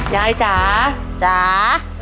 ยายจ๋าจ๋า